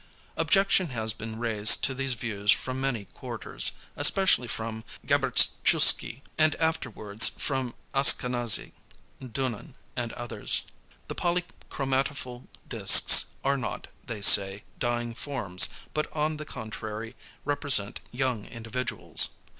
Objection has been raised to these views from many quarters, especially from Gabritschewski, and afterwards from Askanazy, Dunin and others. The polychromatophil discs are not, they say, dying forms, but on the contrary represent young individuals.